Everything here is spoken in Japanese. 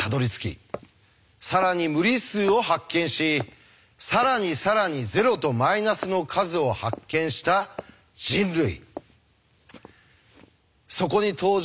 更に無理数を発見し更に更に０とマイナスの数を発見した人類。